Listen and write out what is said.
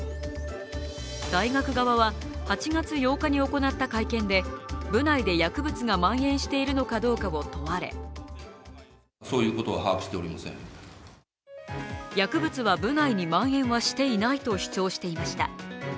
大学側は、８月８日に行った会見で部内で薬物が蔓延しているのかを問われ薬物は部内にまん延はしていないと主張していました。